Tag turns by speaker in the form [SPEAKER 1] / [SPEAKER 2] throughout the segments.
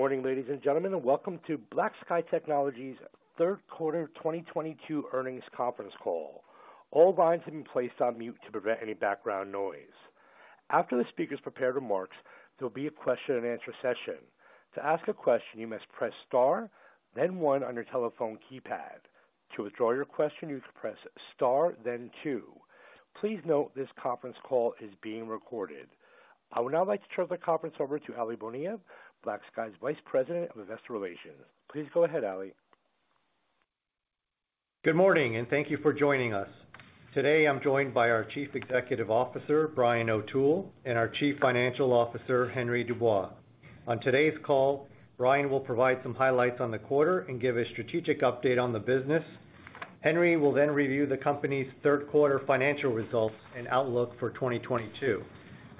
[SPEAKER 1] Good morning, ladies and gentlemen, and welcome to BlackSky Technology third quarter 2022 earnings conference call. All lines have been placed on mute to prevent any background noise. After the speakers prepared remarks, there'll be a question and answer session. To ask a question you must press Star, then one on your telephone keypad. To withdraw your question, you press Star then two. Please note this conference call is being recorded. I would now like to turn the conference over to Aly Bonilla, BlackSky's Vice President of Investor Relations. Please go ahead, Ali.
[SPEAKER 2] Good morning, and thank you for joining us. Today I'm joined by our Chief Executive Officer, Brian O'Toole, and our Chief Financial Officer, Henry Dubois. On today's call, Brian will provide some highlights on the quarter and give a strategic update on the business. Henry will then review the company's third quarter financial results and outlook for 2022.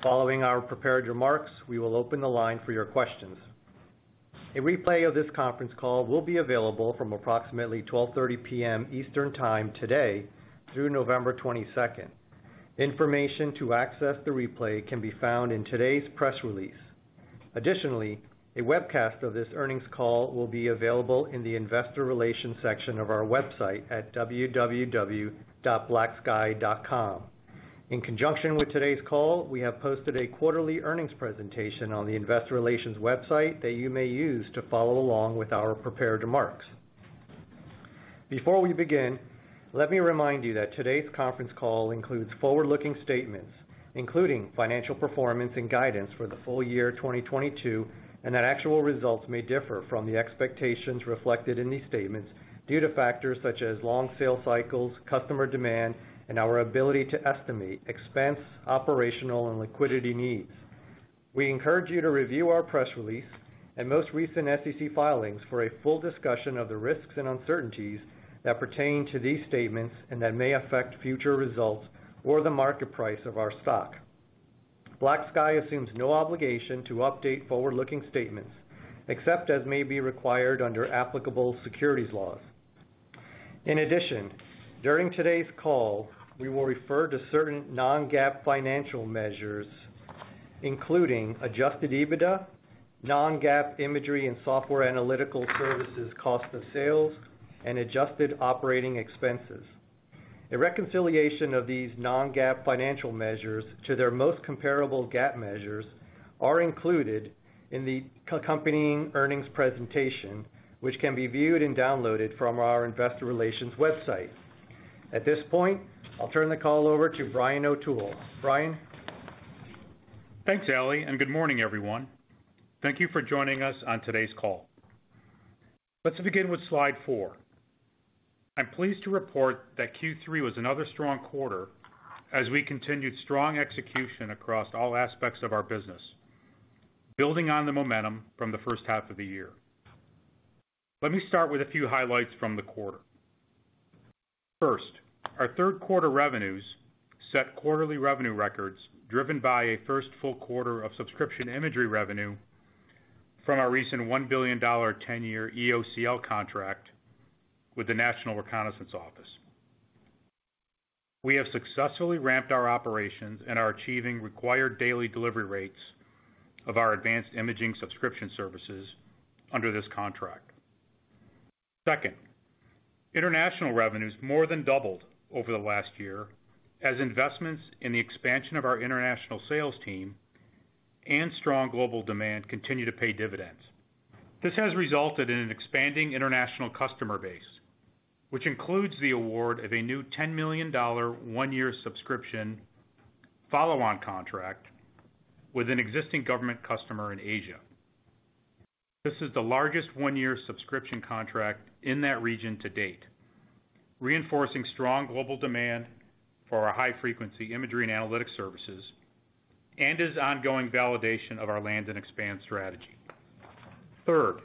[SPEAKER 2] Following our prepared remarks, we will open the line for your questions. A replay of this conference call will be available from approximately 12:30 P.M. Eastern time today through November twenty-second. Information to access the replay can be found in today's press release. Additionally, a webcast of this earnings call will be available in the investor relations section of our website at www.blacksky.com. In conjunction with today's call, we have posted a quarterly earnings presentation on the investor relations website that you may use to follow along with our prepared remarks. Before we begin, let me remind you that today's conference call includes forward-looking statements, including financial performance and guidance for the full year 2022, and that actual results may differ from the expectations reflected in these statements due to factors such as long sales cycles, customer demand, and our ability to estimate expense, operational and liquidity needs. We encourage you to review our press release and most recent SEC filings for a full discussion of the risks and uncertainties that pertain to these statements and that may affect future results or the market price of our stock. BlackSky assumes no obligation to update forward-looking statements, except as may be required under applicable securities laws. In addition, during today's call, we will refer to certain non-GAAP financial measures, including adjusted EBITDA, non-GAAP imagery and software analytical services cost of sales, and adjusted operating expenses. A reconciliation of these non-GAAP financial measures to their most comparable GAAP measures are included in the company's earnings presentation, which can be viewed and downloaded from our investor relations website. At this point, I'll turn the call over to Brian O'Toole. Brian.
[SPEAKER 3] Thanks, Aly, and good morning, everyone. Thank you for joining us on today's call. Let's begin with slide 4. I'm pleased to report that Q3 was another strong quarter as we continued strong execution across all aspects of our business, building on the momentum from the first half of the year. Let me start with a few highlights from the quarter. First, our third quarter revenues set quarterly revenue records driven by a first full quarter of subscription imagery revenue from our recent $1 billion 10-year EOCL contract with the National Reconnaissance Office. We have successfully ramped our operations and are achieving required daily delivery rates of our advanced imaging subscription services under this contract. Second, international revenues more than doubled over the last year as investments in the expansion of our international sales team and strong global demand continue to pay dividends. This has resulted in an expanding international customer base, which includes the award of a new $10 million one-year subscription follow-on contract with an existing government customer in Asia. This is the largest one-year subscription contract in that region to date, reinforcing strong global demand for our high-frequency imagery and analytics services and is ongoing validation of our land and expand strategy. Third,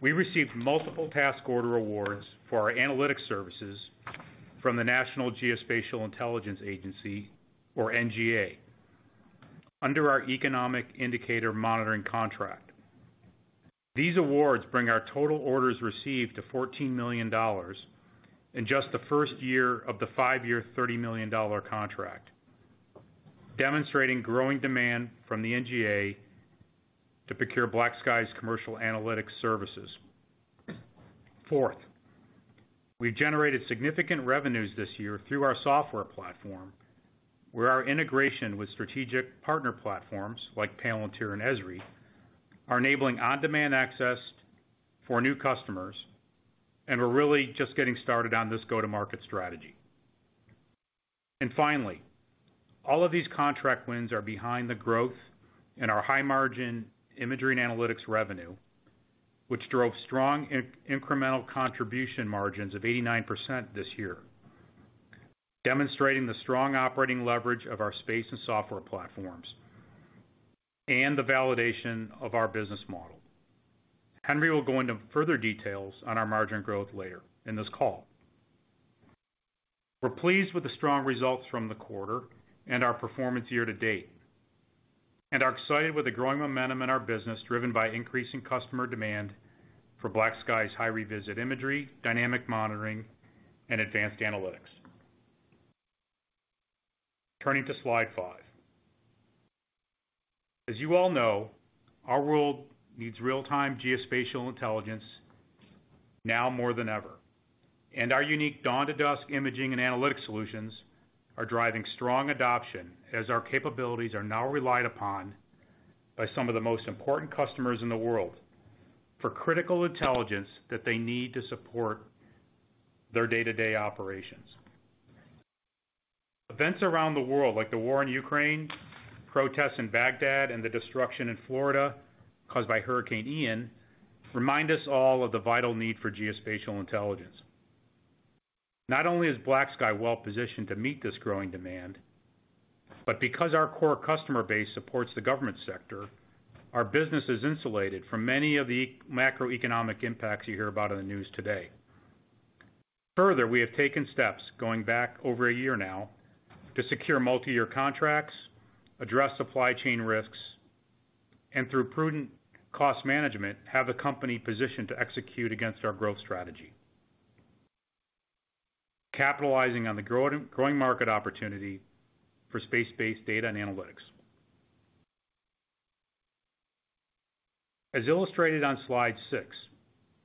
[SPEAKER 3] we received multiple task order awards for our analytics services from the National Geospatial-Intelligence Agency, or NGA, under our Economic Indicator Monitoring contract. These awards bring our total orders received to $14 million in just the first year of the five-year $30 million contract, demonstrating growing demand from the NGA to procure BlackSky's commercial analytics services. Fourth, we generated significant revenues this year through our software platform, where our integration with strategic partner platforms like Palantir and Esri are enabling on-demand access for new customers, and we're really just getting started on this go-to-market strategy. Finally, all of these contract wins are behind the growth in our high-margin imagery and analytics revenue, which drove strong incremental contribution margins of 89% this year, demonstrating the strong operating leverage of our space and software platforms and the validation of our business model. Henry will go into further details on our margin growth later in this call. We're pleased with the strong results from the quarter and our performance year to date and are excited with the growing momentum in our business, driven by increasing customer demand for BlackSky's high revisit imagery, dynamic monitoring, and advanced analytics. Turning to slide five. As you all know, our world needs real-time geospatial intelligence now more than ever. Our unique dawn to dusk imaging and analytics solutions are driving strong adoption as our capabilities are now relied upon by some of the most important customers in the world for critical intelligence that they need to support their day-to-day operations. Events around the world, like the war in Ukraine, protests in Baghdad, and the destruction in Florida caused by Hurricane Ian remind us all of the vital need for geospatial intelligence. Not only is BlackSky well positioned to meet this growing demand, but because our core customer base supports the government sector, our business is insulated from many of the macroeconomic impacts you hear about in the news today. Further, we have taken steps going back over a year now to secure multi-year contracts, address supply chain risks, and through prudent cost management, have the company positioned to execute against our growth strategy. Capitalizing on the growing market opportunity for space-based data and analytics. As illustrated on slide six,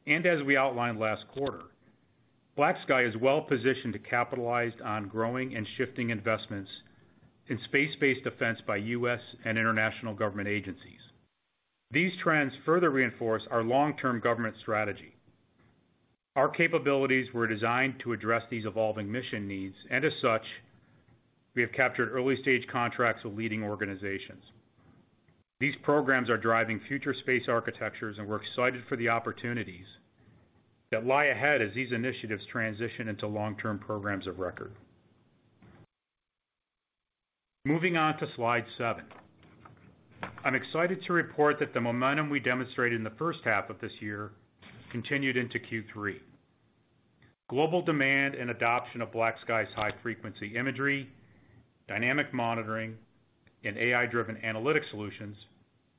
[SPEAKER 3] and as we outlined last quarter, BlackSky is well positioned to capitalize on growing and shifting investments in space-based defense by U.S. and international government agencies. These trends further reinforce our long-term government strategy. Our capabilities were designed to address these evolving mission needs, and as such, we have captured early-stage contracts with leading organizations. These programs are driving future space architectures, and we're excited for the opportunities that lie ahead as these initiatives transition into long-term programs of record. Moving on to slide seven. I'm excited to report that the momentum we demonstrated in the first half of this year continued into Q3. Global demand and adoption of BlackSky's high frequency imagery, dynamic monitoring, and AI-driven analytic solutions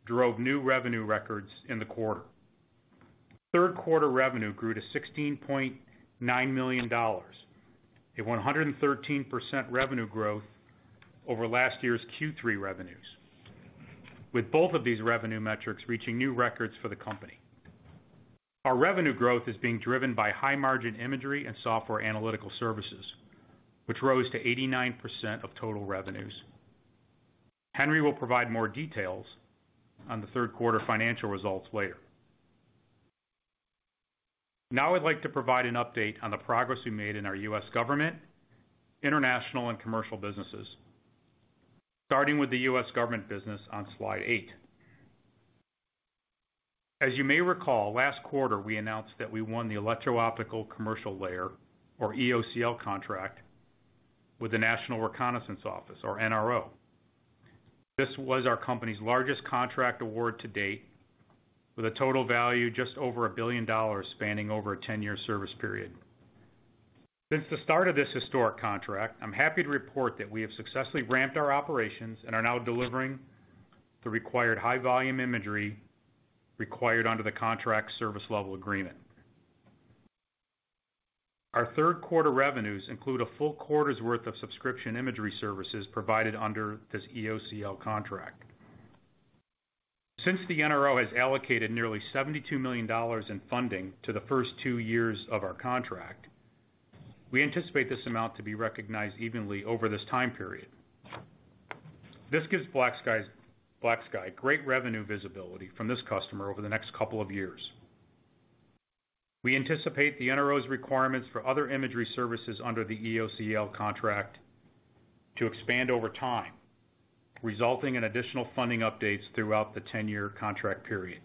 [SPEAKER 3] drove new revenue records in the quarter. Third quarter revenue grew to $16.9 million at 113% revenue growth over last year's Q3 revenues. With both of these revenue metrics reaching new records for the company. Our revenue growth is being driven by high margin imagery and software analytical services, which rose to 89% of total revenues. Henry will provide more details on the third quarter financial results later. Now, I'd like to provide an update on the progress we made in our U.S. government, international, and commercial businesses. Starting with the U.S. government business on slide 8. As you may recall, last quarter, we announced that we won the Electro-Optical Commercial Layer, or EOCL contract with the National Reconnaissance Office, or NRO. This was our company's largest contract award to date with a total value just over $1 billion spanning over a 10-year service period. Since the start of this historic contract, I'm happy to report that we have successfully ramped our operations and are now delivering the required high volume imagery required under the contract service level agreement. Our third quarter revenues include a full quarter's worth of subscription imagery services provided under this EOCL contract. Since the NRO has allocated nearly $72 million in funding to the first 2 years of our contract, we anticipate this amount to be recognized evenly over this time period. This gives BlackSky great revenue visibility from this customer over the next couple of years. We anticipate the NRO's requirements for other imagery services under the EOCL contract to expand over time, resulting in additional funding updates throughout the 10-year contract period.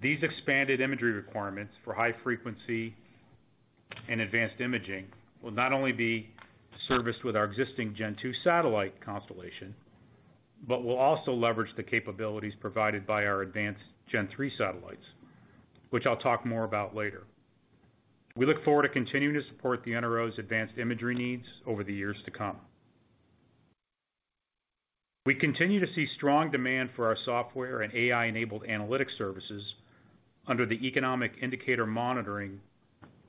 [SPEAKER 3] These expanded imagery requirements for high frequency and advanced imaging will not only be serviced with our existing Gen-2 satellite constellation, but will also leverage the capabilities provided by our advanced Gen-3 satellites, which I'll talk more about later. We look forward to continuing to support the NRO's advanced imagery needs over the years to come. We continue to see strong demand for our software and AI-enabled analytics services under the Economic Indicator Monitoring,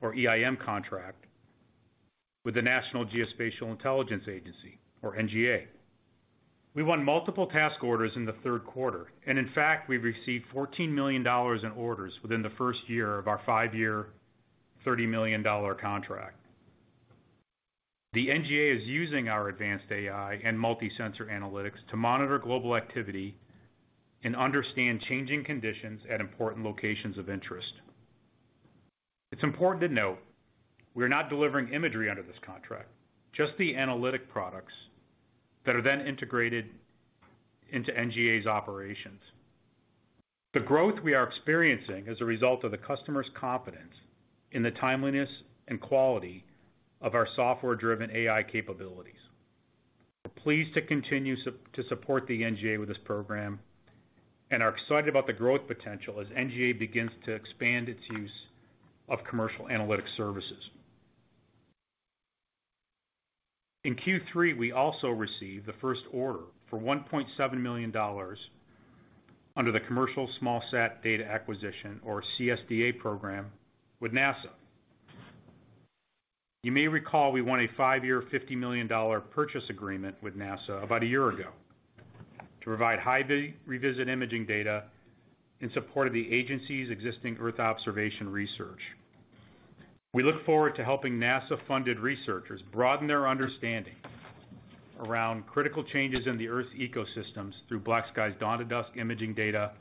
[SPEAKER 3] or EIM contract with the National Geospatial-Intelligence Agency, or NGA. We won multiple task orders in the third quarter, and in fact, we received $14 million in orders within the first year of our 5-year $30 million contract. The NGA is using our advanced AI and multi-sensor analytics to monitor global activity and understand changing conditions at important locations of interest. It's important to note we are not delivering imagery under this contract, just the analytic products that are then integrated into NGA's operations. The growth we are experiencing is a result of the customer's confidence in the timeliness and quality of our software-driven AI capabilities. We're pleased to continue to support the NGA with this program and are excited about the growth potential as NGA begins to expand its use of commercial analytics services. In Q3, we also received the first order for $1.7 million under the Commercial Smallsat Data Acquisition or CSDA program with NASA. You may recall we won a five-year, $50 million purchase agreement with NASA about a year ago to provide high revisit imaging data in support of the agency's existing Earth observation research. We look forward to helping NASA-funded researchers broaden their understanding around critical changes in the Earth's ecosystems through BlackSky's dawn-to-dusk imaging data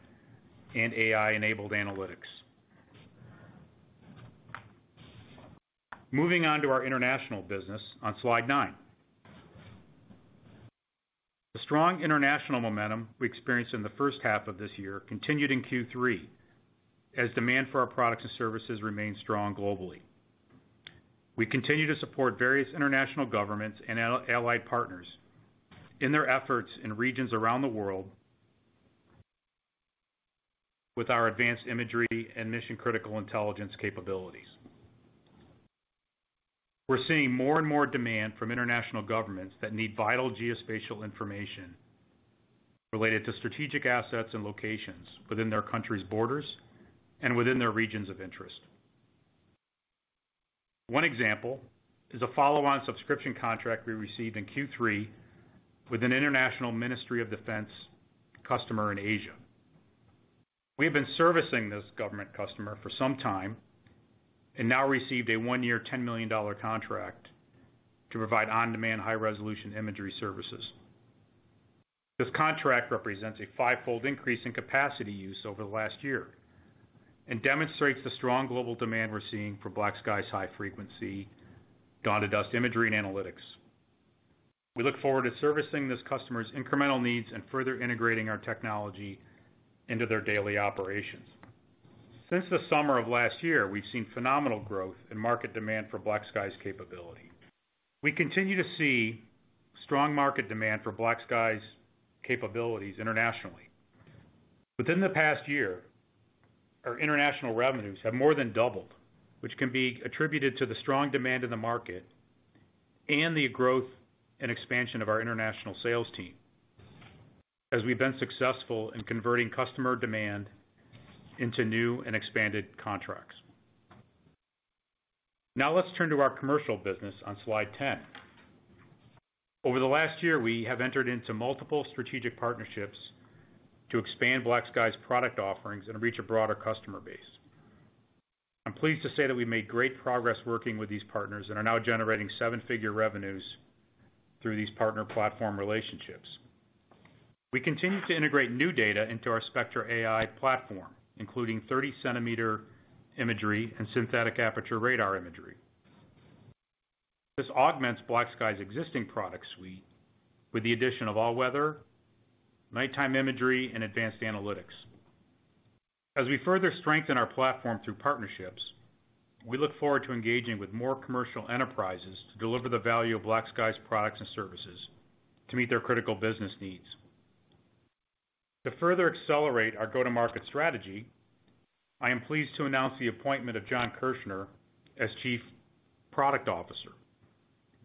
[SPEAKER 3] and AI-enabled analytics. Moving on to our international business on slide 9. The strong international momentum we experienced in the first half of this year continued in Q3 as demand for our products and services remained strong globally. We continue to support various international governments and allied partners in their efforts in regions around the world with our advanced imagery and mission-critical intelligence capabilities. We're seeing more and more demand from international governments that need vital geospatial information related to strategic assets and locations within their country's borders and within their regions of interest. One example is a follow-on subscription contract we received in Q3 with an international Ministry of Defense customer in Asia. We have been servicing this government customer for some time and now received a one-year, $10 million contract to provide on-demand high-resolution imagery services. This contract represents a five-fold increase in capacity use over the last year and demonstrates the strong global demand we're seeing for BlackSky's high frequency, dawn-to-dusk imagery and analytics. We look forward to servicing this customer's incremental needs and further integrating our technology into their daily operations. Since the summer of last year, we've seen phenomenal growth in market demand for BlackSky's capability. We continue to see strong market demand for BlackSky's capabilities internationally. Within the past year, our international revenues have more than doubled, which can be attributed to the strong demand in the market and the growth and expansion of our international sales team, as we've been successful in converting customer demand into new and expanded contracts. Now let's turn to our commercial business on slide 10. Over the last year, we have entered into multiple strategic partnerships to expand BlackSky's product offerings and reach a broader customer base. I'm pleased to say that we made great progress working with these partners and are now generating seven-figure revenues through these partner platform relationships. We continue to integrate new data into our Spectra AI platform, including 30-centimeter imagery and synthetic aperture radar imagery. This augments BlackSky's existing product suite with the addition of all-weather, nighttime imagery, and advanced analytics. As we further strengthen our platform through partnerships, we look forward to engaging with more commercial enterprises to deliver the value of BlackSky's products and services to meet their critical business needs. To further accelerate our go-to-market strategy, I am pleased to announce the appointment of Jon Kirchner as Chief Product Officer.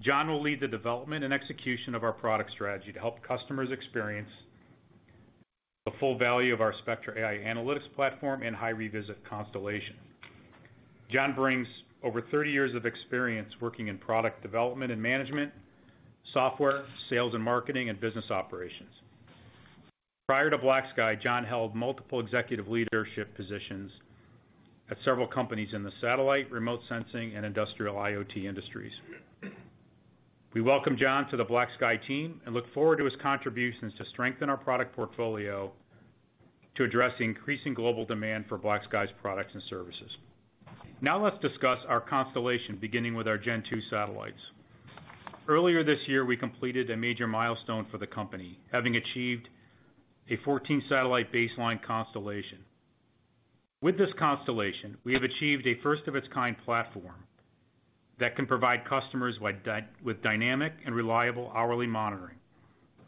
[SPEAKER 3] Jon will lead the development and execution of our product strategy to help customers experience the full value of our Spectra AI analytics platform and high revisit constellation. Jon brings over 30 years of experience working in product development and management, software, sales and marketing, and business operations. Prior to BlackSky, Jon held multiple executive leadership positions at several companies in the satellite, remote sensing, and industrial IoT industries. We welcome Jon to the BlackSky team and look forward to his contributions to strengthen our product portfolio to address increasing global demand for BlackSky's products and services. Now let's discuss our constellation, beginning with our Gen-2 satellites. Earlier this year, we completed a major milestone for the company, having achieved a 14-satellite baseline constellation. With this constellation, we have achieved a first-of-its-kind platform that can provide customers with dynamic and reliable hourly monitoring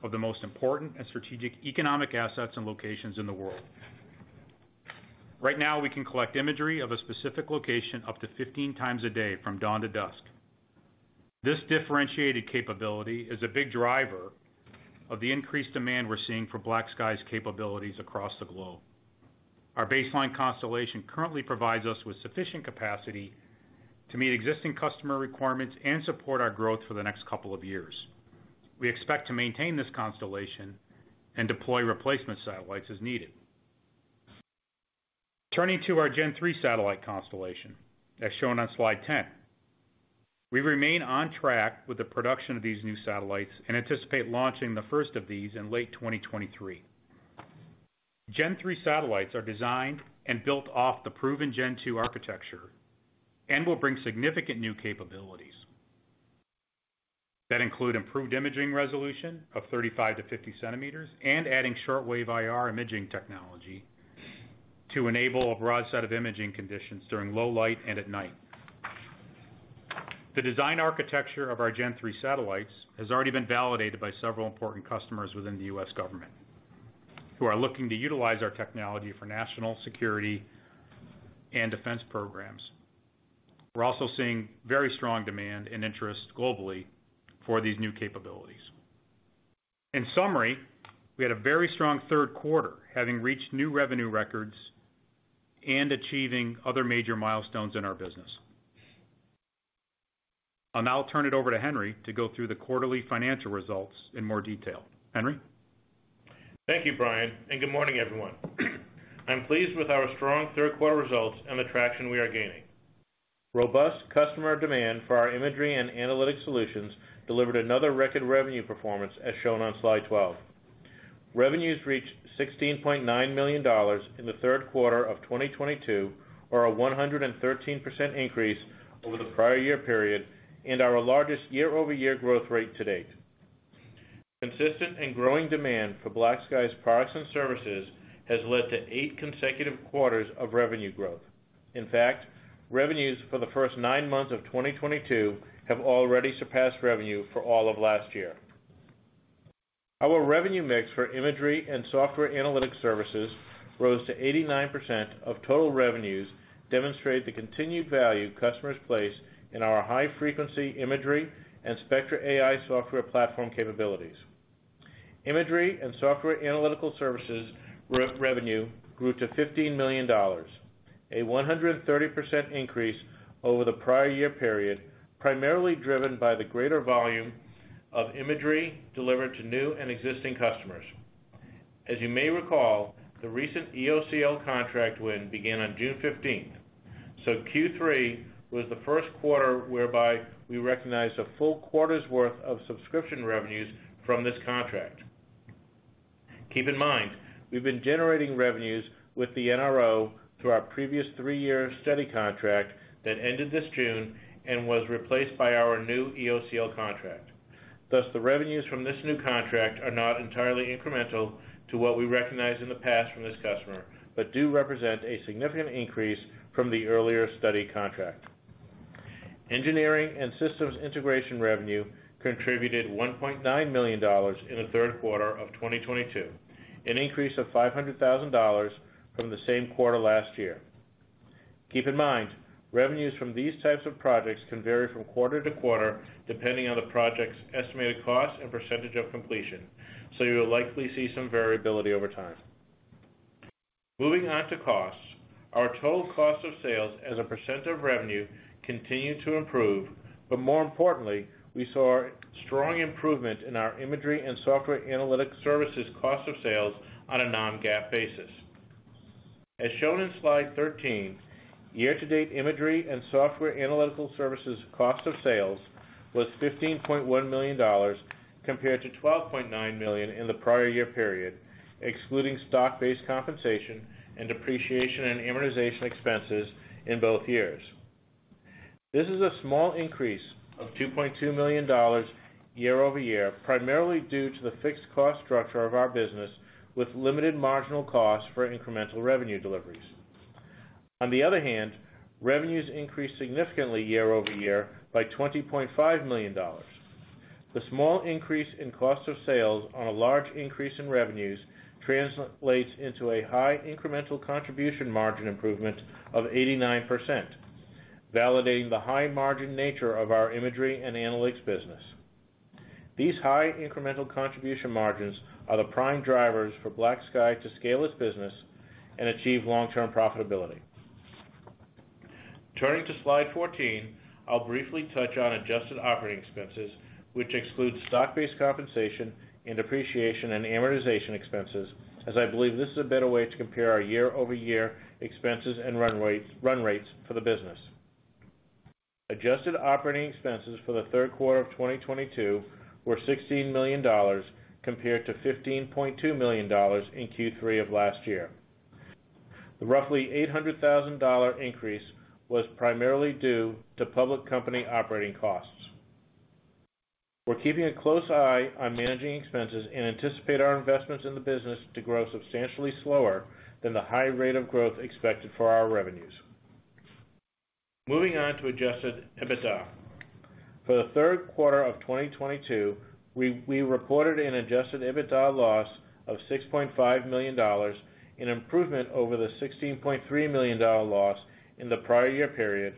[SPEAKER 3] of the most important and strategic economic assets and locations in the world. Right now, we can collect imagery of a specific location up to 15 times a day from dawn to dusk. This differentiated capability is a big driver of the increased demand we're seeing for BlackSky's capabilities across the globe. Our baseline constellation currently provides us with sufficient capacity to meet existing customer requirements and support our growth for the next couple of years. We expect to maintain this constellation and deploy replacement satellites as needed. Turning to our Gen-3 satellite constellation, as shown on slide 10. We remain on track with the production of these new satellites and anticipate launching the first of these in late 2023. Gen Three satellites are designed and built off the proven Gen Two architecture and will bring significant new capabilities that include improved imaging resolution of 35-50 centimeters and adding shortwave IR imaging technology to enable a broad set of imaging conditions during low light and at night. The design architecture of our Gen Three satellites has already been validated by several important customers within the U.S. government who are looking to utilize our technology for national security and defense programs. We're also seeing very strong demand and interest globally for these new capabilities. In summary, we had a very strong third quarter, having reached new revenue records and achieving other major milestones in our business. I'll now turn it over to Henry to go through the quarterly financial results in more detail. Henry?
[SPEAKER 4] Thank you, Brian, and good morning, everyone. I'm pleased with our strong third quarter results and the traction we are gaining. Robust customer demand for our imagery and analytic solutions delivered another record revenue performance as shown on slide 12. Revenues reached $16.9 million in the third quarter of 2022, or a 113% increase over the prior year period, and our largest year-over-year growth rate to date. Consistent and growing demand for BlackSky's products and services has led to 8 consecutive quarters of revenue growth. In fact, revenues for the first 9 months of 2022 have already surpassed revenue for all of last year. Our revenue mix for imagery and software analytic services rose to 89% of total revenues, demonstrate the continued value customers place in our high-frequency imagery and Spectra AI software platform capabilities. Imagery and software analytical services revenue grew to $15 million, a 130% increase over the prior year period, primarily driven by the greater volume of imagery delivered to new and existing customers. As you may recall, the recent EOCL contract win began on June fifteenth, so Q3 was the first quarter whereby we recognized a full quarter's worth of subscription revenues from this contract. Keep in mind, we've been generating revenues with the NRO through our previous three-year study contract that ended this June and was replaced by our new EOCL contract. Thus, the revenues from this new contract are not entirely incremental to what we recognized in the past from this customer, but do represent a significant increase from the earlier study contract. Engineering and systems integration revenue contributed $1.9 million in the third quarter of 2022, an increase of $500 thousand from the same quarter last year. Keep in mind, revenues from these types of projects can vary from quarter to quarter, depending on the project's estimated cost and percentage of completion, so you will likely see some variability over time. Moving on to costs. Our total cost of sales as a % of revenue continued to improve, but more importantly, we saw a strong improvement in our imagery and software analytics services cost of sales on a non-GAAP basis. As shown in slide 13, year-to-date imagery and software analytics services cost of sales was $15.1 million compared to $12.9 million in the prior year period, excluding stock-based compensation and depreciation and amortization expenses in both years. This is a small increase of $2.2 million year-over-year, primarily due to the fixed cost structure of our business with limited marginal costs for incremental revenue deliveries. Revenues increased significantly year-over-year by $20.5 million. The small increase in cost of sales on a large increase in revenues translates into a high incremental contribution margin improvement of 89%, validating the high margin nature of our imagery and analytics business. These high incremental contribution margins are the prime drivers for BlackSky to scale its business and achieve long-term profitability. Turning to slide 14, I'll briefly touch on adjusted operating expenses, which excludes stock-based compensation and depreciation and amortization expenses, as I believe this is a better way to compare our year-over-year expenses and run rates for the business. Adjusted operating expenses for the third quarter of 2022 were $16 million compared to $15.2 million in Q3 of last year. The roughly $800,000 dollar increase was primarily due to public company operating costs. We're keeping a close eye on managing expenses and anticipate our investments in the business to grow substantially slower than the high rate of growth expected for our revenues. Moving on to adjusted EBITDA. For the third quarter of 2022, we reported an adjusted EBITDA loss of $6.5 million, an improvement over the $16.3 million dollar loss in the prior year period,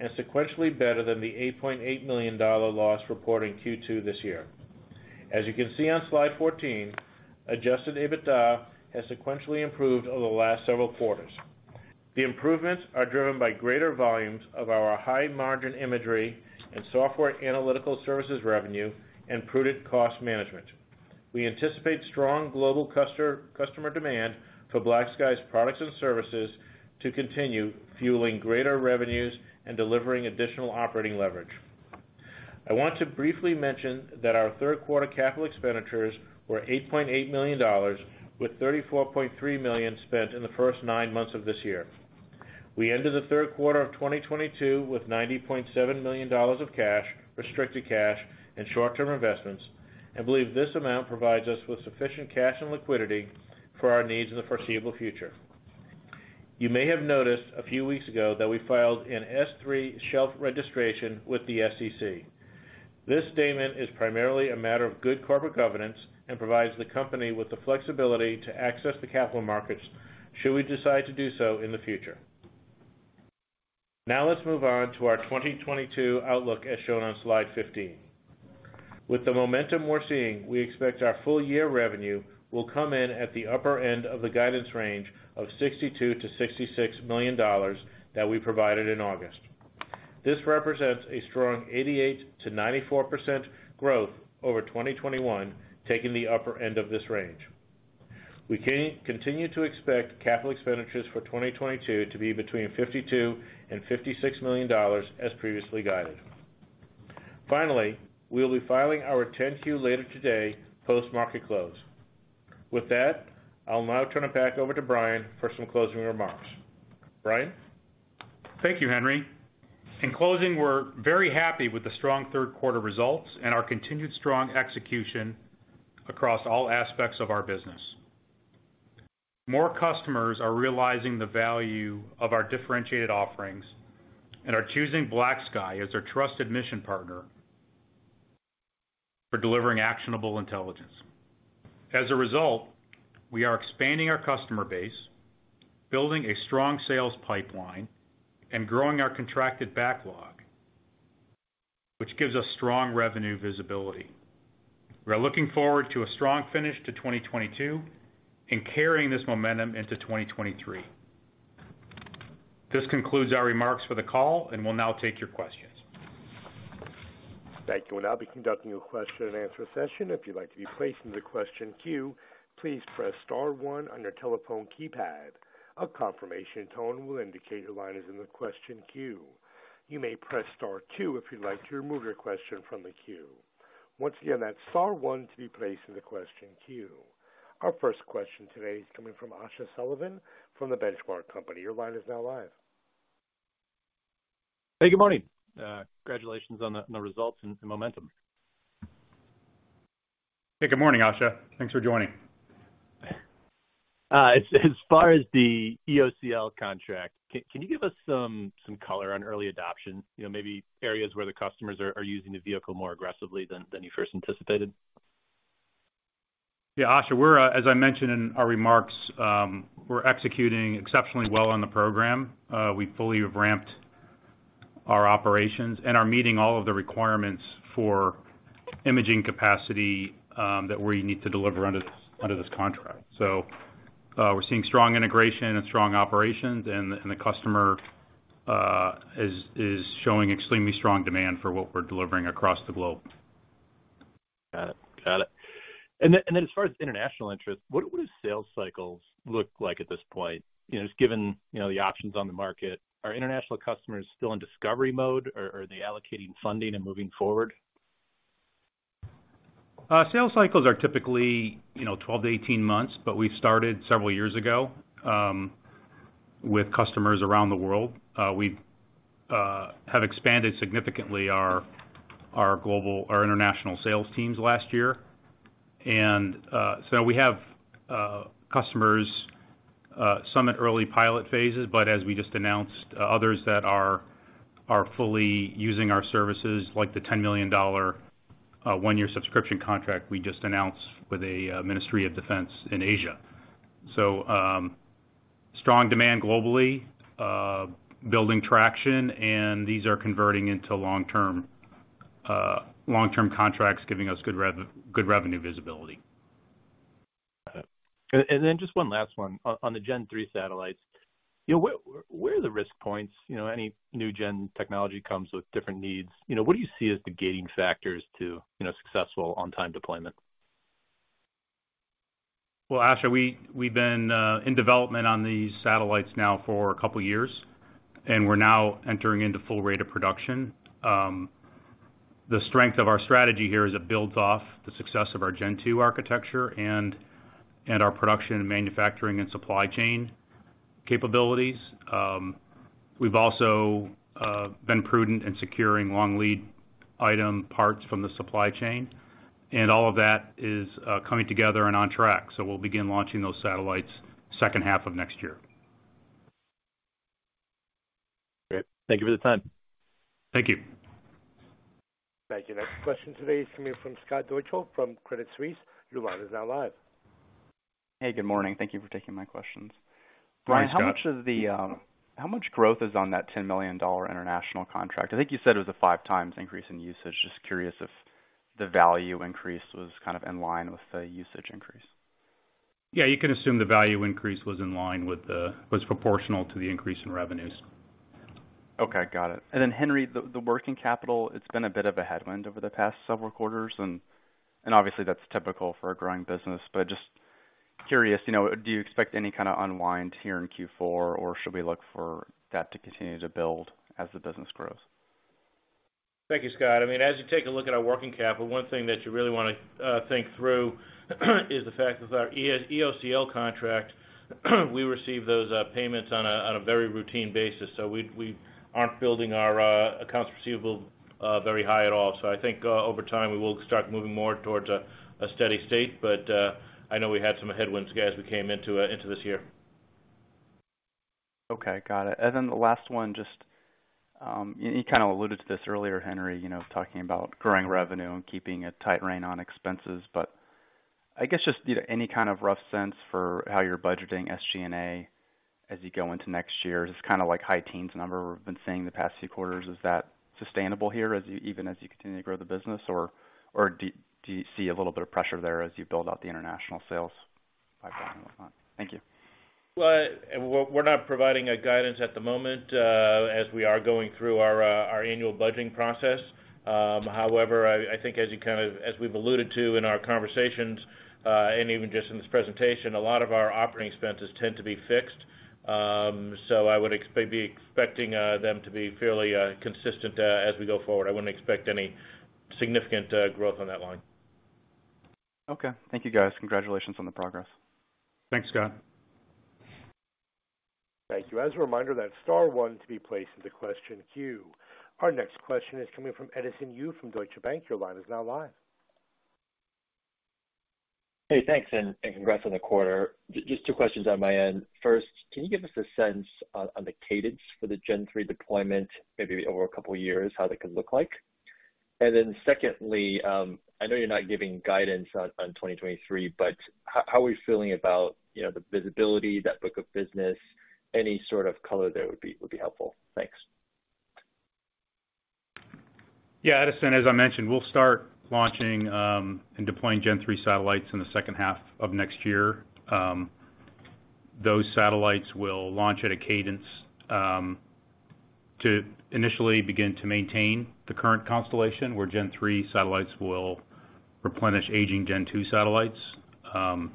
[SPEAKER 4] and sequentially better than the $8.8 million dollar loss reported in Q2 this year. As you can see on slide 14, adjusted EBITDA has sequentially improved over the last several quarters. The improvements are driven by greater volumes of our high-margin imagery and software analytical services revenue and prudent cost management. We anticipate strong global customer demand for BlackSky's products and services to continue fueling greater revenues and delivering additional operating leverage. I want to briefly mention that our third quarter capital expenditures were $8.8 million, with $34.3 million spent in the first nine months of this year. We ended the third quarter of 2022 with $90.7 million of cash, restricted cash, and short-term investments. I believe this amount provides us with sufficient cash and liquidity for our needs in the foreseeable future. You may have noticed a few weeks ago that we filed an S3 shelf registration with the SEC. This statement is primarily a matter of good corporate governance and provides the company with the flexibility to access the capital markets should we decide to do so in the future. Now let's move on to our 2022 outlook as shown on slide 15. With the momentum we're seeing, we expect our full year revenue will come in at the upper end of the guidance range of $62 million-$66 million that we provided in August. This represents a strong 88%-94% growth over 2021, taking the upper end of this range. We continue to expect capital expenditures for 2022 to be between $52 million-$56 million as previously guided. Finally, we'll be filing our 10-Q later today, post market close. With that, I'll now turn it back over to Brian for some closing remarks. Brian?
[SPEAKER 3] Thank you, Henry. In closing, we're very happy with the strong third quarter results and our continued strong execution across all aspects of our business. More customers are realizing the value of our differentiated offerings and are choosing BlackSky as their trusted mission partner for delivering actionable intelligence. As a result, we are expanding our customer base, building a strong sales pipeline, and growing our contracted backlog, which gives us strong revenue visibility. We're looking forward to a strong finish to 2022 and carrying this momentum into 2023. This concludes our remarks for the call, and we'll now take your questions.
[SPEAKER 1] Thank you. We'll now be conducting a question and answer session. If you'd like to be placed in the question queue, please press star one on your telephone keypad. A confirmation tone will indicate your line is in the question queue. You may press star two if you'd like to remove your question from the queue. Once again, that's star one to be placed in the question queue. Our first question today is coming from Josh Sullivan from The Benchmark Company. Your line is now live.
[SPEAKER 5] Hey, good morning. Congratulations on the results and momentum.
[SPEAKER 3] Hey, good morning, Josh Sullivan. Thanks for joining.
[SPEAKER 5] As far as the EOCL contract, can you give us some color on early adoption? You know, maybe areas where the customers are using the vehicle more aggressively than you first anticipated.
[SPEAKER 3] Yeah, Josh Sullivan, as I mentioned in our remarks, we're executing exceptionally well on the program. We fully have ramped our operations and are meeting all of the requirements for imaging capacity that we need to deliver under this contract. We're seeing strong integration and strong operations and the customer is showing extremely strong demand for what we're delivering across the globe.
[SPEAKER 5] Got it. As far as international interest, what does sales cycles look like at this point? You know, just given, you know, the options on the market, are international customers still in discovery mode, or are they allocating funding and moving forward?
[SPEAKER 3] Sales cycles are typically, you know, 12-18 months, but we started several years ago with customers around the world. We have expanded significantly our international sales teams last year. We have customers, some at early pilot phases, but as we just announced, others that are fully using our services, like the $10 million one-year subscription contract we just announced with a ministry of defense in Asia. Strong demand globally, building traction, and these are converting into long-term contracts, giving us good revenue visibility.
[SPEAKER 5] Got it. Just one last one on the Gen Three satellites. You know, where are the risk points? You know, any new Gen technology comes with different needs. You know, what do you see as the gating factors to successful on-time deployment?
[SPEAKER 3] Well, Josh Sullivan, we've been in development on these satellites now for a couple years, and we're now entering into full rate of production. The strength of our strategy here is it builds off the success of our Gen Two architecture and our production and manufacturing and supply chain capabilities. We've also been prudent in securing long lead item parts from the supply chain. All of that is coming together and on track. We'll begin launching those satellites second half of next year.
[SPEAKER 5] Great. Thank you for the time.
[SPEAKER 3] Thank you.
[SPEAKER 1] Thank you. Next question today is coming from Scott Deuschle from Credit Suisse. Your line is now live.
[SPEAKER 6] Hey, good morning. Thank you for taking my questions.
[SPEAKER 3] Hi, Scott.
[SPEAKER 6] Brian, how much growth is on that $10 million international contract? I think you said it was a 5x increase in usage. Just curious if the value increase was kind of in line with the usage increase.
[SPEAKER 3] Yeah, you can assume the value increase was proportional to the increase in revenues.
[SPEAKER 6] Okay, got it. Henry, the working capital, it's been a bit of a headwind over the past several quarters, and obviously that's typical for a growing business. Just curious, you know, do you expect any kind of unwind here in Q4, or should we look for that to continue to build as the business grows?
[SPEAKER 4] Thank you, Scott. I mean, as you take a look at our working capital, one thing that you really wanna think through is the fact that with our EOCL contract, we receive those payments on a very routine basis. We aren't building our accounts receivable very high at all. I think over time, we will start moving more towards a steady state. I know we had some headwinds, guys, we came into this year.
[SPEAKER 6] Okay, got it. Then the last one just, you kind of alluded to this earlier, Henry, you know, talking about growing revenue and keeping a tight rein on expenses. I guess just, you know, any kind of rough sense for how you're budgeting SG&A as you go into next year. Just kinda like high teens number we've been seeing the past few quarters. Is that sustainable here as you, even as you continue to grow the business? Or do you see a little bit of pressure there as you build out the international sales pipeline and whatnot? Thank you.
[SPEAKER 4] Well, we're not providing guidance at the moment, as we are going through our annual budgeting process. However, I think as we've alluded to in our conversations, and even just in this presentation, a lot of our operating expenses tend to be fixed. I would be expecting them to be fairly consistent as we go forward. I wouldn't expect any significant growth on that line.
[SPEAKER 6] Okay. Thank you, guys. Congratulations on the progress.
[SPEAKER 4] Thanks, Scott.
[SPEAKER 1] Thank you. As a reminder, that's star one to be placed into question queue. Our next question is coming from Edison Yu from Deutsche Bank. Your line is now live.
[SPEAKER 7] Hey, thanks, and congrats on the quarter. Just two questions on my end. First, can you give us a sense on the cadence for the Gen Three deployment, maybe over a couple of years, how that could look like? Secondly, I know you're not giving guidance on 2023, but how are you feeling about, you know, the visibility, that book of business? Any sort of color there would be helpful. Thanks.
[SPEAKER 3] Yeah, Edison, as I mentioned, we'll start launching and deploying Gen Three satellites in the second half of next year. Those satellites will launch at a cadence to initially begin to maintain the current constellation, where Gen Three satellites will replenish aging Gen Two satellites. Then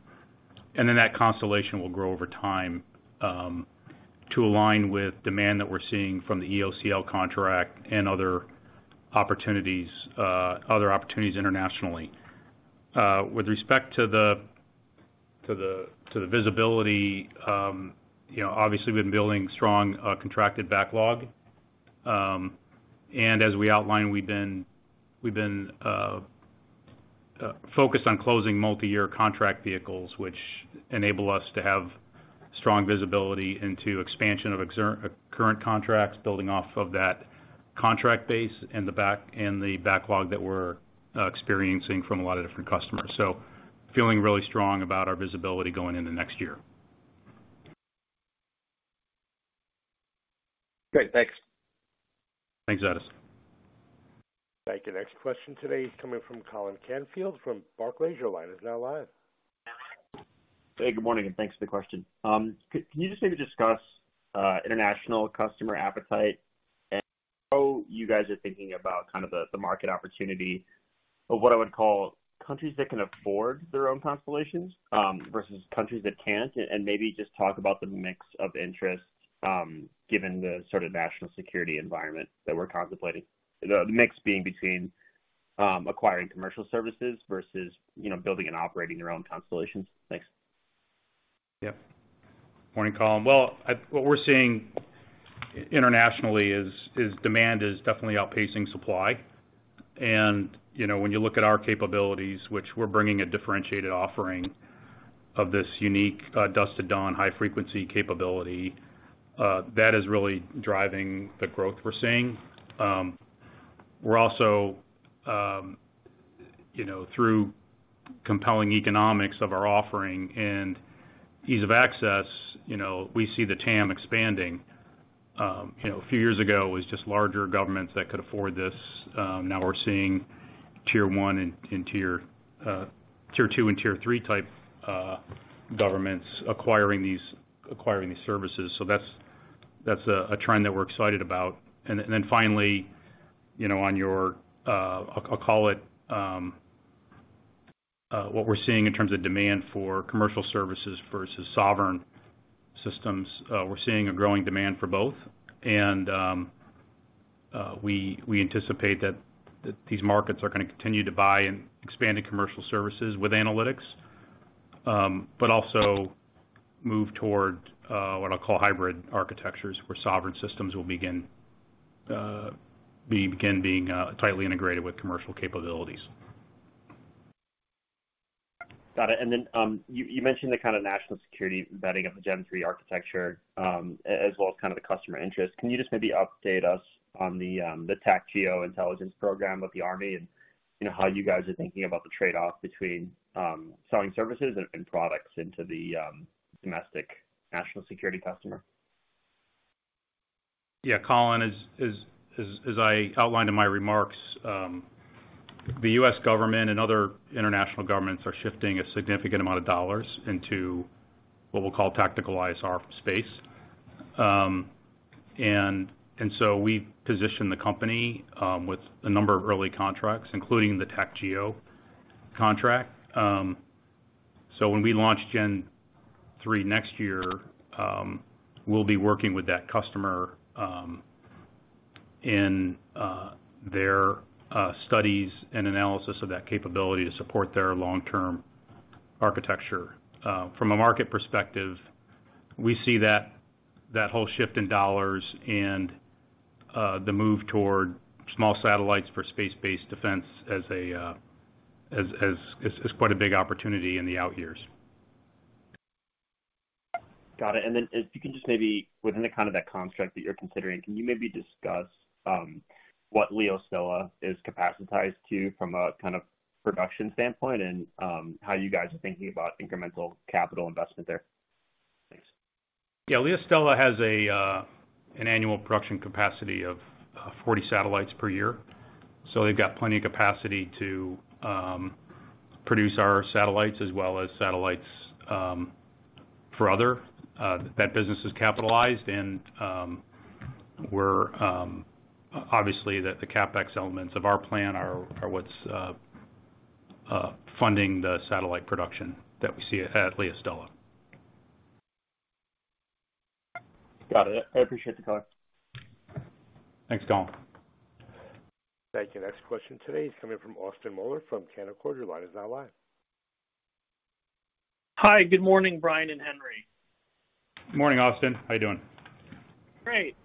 [SPEAKER 3] that constellation will grow over time to align with demand that we're seeing from the EOCL contract and other opportunities internationally. With respect to the visibility, you know, obviously, we've been building strong contracted backlog. As we outlined, we've been focused on closing multi-year contract vehicles, which enable us to have strong visibility into expansion of current contracts building off of that contract base and the backlog that we're experiencing from a lot of different customers. Feeling really strong about our visibility going into next year.
[SPEAKER 7] Great. Thanks.
[SPEAKER 3] Thanks, Edison.
[SPEAKER 1] Thank you. Next question today is coming from Colin Canfield from Barclays. Your line is now live.
[SPEAKER 8] Hey, good morning, and thanks for the question. Can you just maybe discuss international customer appetite and how you guys are thinking about kind of the market opportunity of what I would call countries that can afford their own constellations versus countries that can't? Maybe just talk about the mix of interest given the sort of national security environment that we're contemplating. The mix being between acquiring commercial services versus, you know, building and operating their own constellations. Thanks.
[SPEAKER 3] Yeah. Morning, Colin. Well, what we're seeing internationally is demand is definitely outpacing supply. You know, when you look at our capabilities, which we're bringing a differentiated offering of this unique dusk to dawn high frequency capability, that is really driving the growth we're seeing. We're also, you know, through compelling economics of our offering and ease of access, you know, we see the TAM expanding. You know, a few years ago, it was just larger governments that could afford this. Now we're seeing tier one and tier two and tier three type governments acquiring these services. That's a trend that we're excited about. Then finally, you know, on your, I'll call it, what we're seeing in terms of demand for commercial services versus sovereign systems, we're seeing a growing demand for both. We anticipate that these markets are gonna continue to buy and expand in commercial services with analytics, but also move toward what I'll call hybrid architectures, where sovereign systems will begin being tightly integrated with commercial capabilities.
[SPEAKER 8] Got it. You mentioned the kind of national security vetting of the Gen Three architecture as well as kind of the customer interest. Can you just maybe update us on the TACGEO intelligence program of the Army and, you know, how you guys are thinking about the trade-off between selling services and products into the domestic national security customer?
[SPEAKER 3] Yeah, Colin, as I outlined in my remarks, the U.S. government and other international governments are shifting a significant amount of dollars into what we'll call tactical ISR space. We've positioned the company with a number of early contracts, including the TACGEO contract. When we launch Gen Three next year, we'll be working with that customer in their studies and analysis of that capability to support their long-term architecture. From a market perspective, we see that whole shift in dollars and the move toward small satellites for space-based defense as quite a big opportunity in the out years.
[SPEAKER 8] Got it. Then if you can just maybe within the kind of that construct that you're considering, can you maybe discuss, what LeoStella is capacitated to from a kind of production standpoint and, how you guys are thinking about incremental capital investment there? Thanks.
[SPEAKER 3] Yeah. LeoStella has an annual production capacity of 40 satellites per year. They've got plenty of capacity to produce our satellites as well as satellites for others. That business is capitalized. Obviously, the CapEx elements of our plan are what's funding the satellite production that we see at LeoStella.
[SPEAKER 8] Got it. I appreciate the color.
[SPEAKER 3] Thanks, Colin.
[SPEAKER 1] Thank you. Next question today is coming from Austin Moeller from Canaccord. Your line is now live.
[SPEAKER 9] Hi. Good morning, Brian and Henry.
[SPEAKER 3] Good morning, Austin. How you doing?
[SPEAKER 9] Great.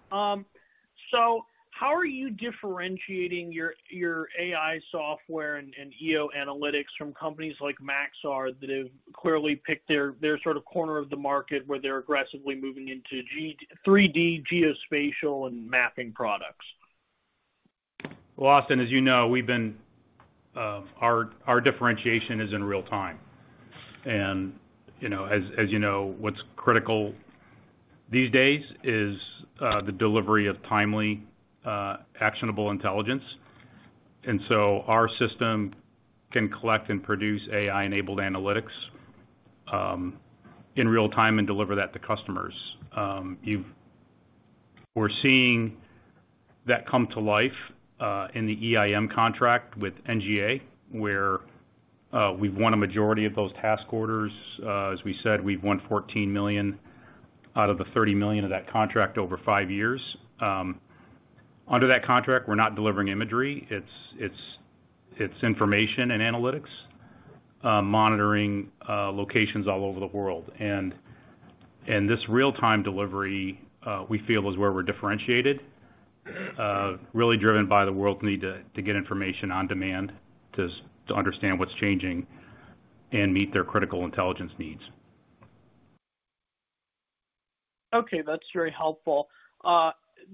[SPEAKER 9] How are you differentiating your your AI software and EO analytics from companies like Maxar that have clearly picked their their sort of corner of the market where they're aggressively moving into 3D geospatial and mapping products?
[SPEAKER 3] Well, Austin, as you know, our differentiation is in real time. You know, as you know, what's critical these days is the delivery of timely, actionable intelligence. Our system can collect and produce AI-enabled analytics in real-time and deliver that to customers. We're seeing that come to life in the EIM contract with NGA, where we've won a majority of those task orders. As we said, we've won $14 million out of the $30 million of that contract over 5 years. Under that contract, we're not delivering imagery. It's information and analytics, monitoring locations all over the world. This real-time delivery, we feel, is where we're differentiated, really driven by the world's need to get information on demand to understand what's changing and meet their critical intelligence needs.
[SPEAKER 9] Okay, that's very helpful.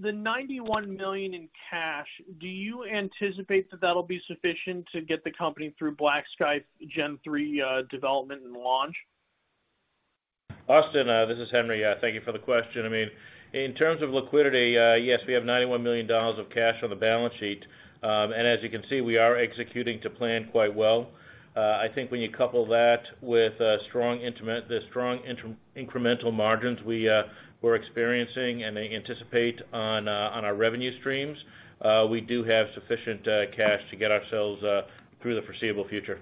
[SPEAKER 9] The $91 million in cash, do you anticipate that that'll be sufficient to get the company through BlackSky Gen-3 development and launch?
[SPEAKER 4] Austin, this is Henry. Thank you for the question. I mean, in terms of liquidity, yes, we have $91 million of cash on the balance sheet. As you can see, we are executing to plan quite well. I think when you couple that with strong incremental margins we're experiencing and anticipate on our revenue streams, we do have sufficient cash to get ourselves through the foreseeable future.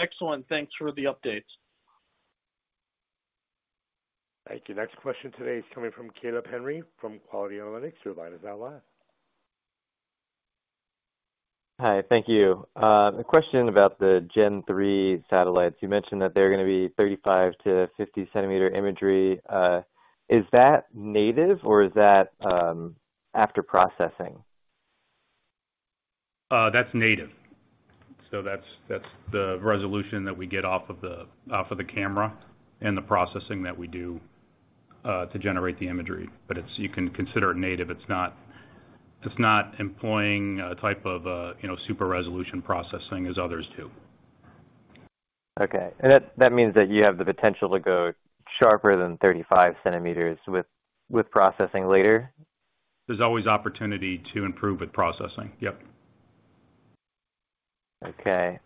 [SPEAKER 9] Excellent. Thanks for the updates.
[SPEAKER 1] Thank you. Next question today is coming from Caleb Henry from Quilty Analytics. Your line is now live.
[SPEAKER 10] Hi. Thank you. A question about the Gen-3 satellites. You mentioned that they're gonna be 35-50 centimeter imagery. Is that native or is that after processing?
[SPEAKER 3] That's native. That's the resolution that we get off of the camera and the processing that we do to generate the imagery. You can consider it native. It's not employing a type of, you know, super resolution processing as others do.
[SPEAKER 10] Okay. That means that you have the potential to go sharper than 35 centimeters with processing later?
[SPEAKER 3] There's always opportunity to improve with processing. Yep.
[SPEAKER 10] Okay.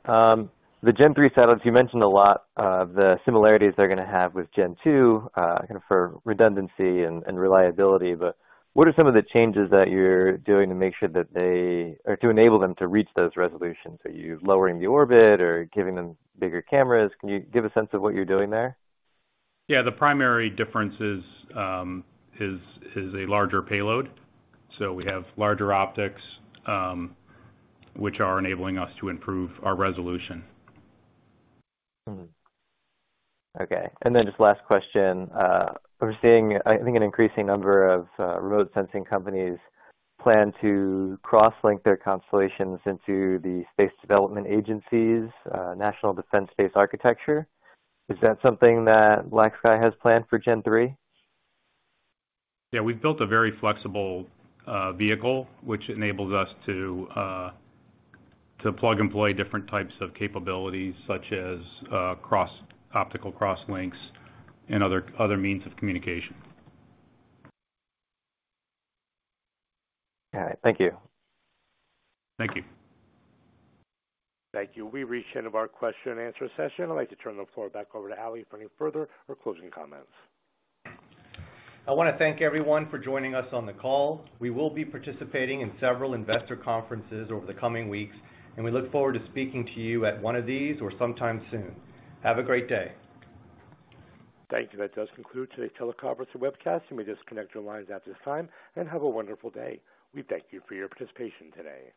[SPEAKER 10] The Gen three setups, you mentioned a lot of the similarities they're gonna have with Gen two, kind of for redundancy and reliability, but what are some of the changes that you're doing to make sure that they or to enable them to reach those resolutions? Are you lowering the orbit or giving them bigger cameras? Can you give a sense of what you're doing there?
[SPEAKER 3] Yeah. The primary difference is a larger payload. We have larger optics, which are enabling us to improve our resolution.
[SPEAKER 10] Just last question. We're seeing, I think, an increasing number of remote sensing companies plan to cross-link their constellations into the Space Development Agency's National Defense Space Architecture. Is that something that BlackSky has planned for Gen-3?
[SPEAKER 3] Yeah. We've built a very flexible vehicle, which enables us to plug and play different types of capabilities, such as optical cross links and other means of communication.
[SPEAKER 10] All right. Thank you.
[SPEAKER 3] Thank you.
[SPEAKER 1] Thank you. We've reached the end of our question and answer session. I'd like to turn the floor back over to Aly for any further or closing comments.
[SPEAKER 2] I wanna thank everyone for joining us on the call. We will be participating in several investor conferences over the coming weeks, and we look forward to speaking to you at one of these or sometime soon. Have a great day.
[SPEAKER 1] Thank you. That does conclude today's teleconference and webcast, and we disconnect your lines at this time. Have a wonderful day. We thank you for your participation today.